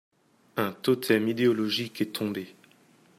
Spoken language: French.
Un totem idéologique est tombé.